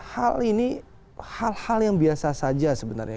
hal ini hal hal yang biasa saja sebenarnya